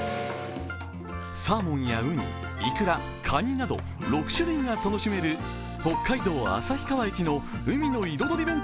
サーモンやウニ、いくら、かになど６種類が楽しめる北海道旭川駅の海の彩り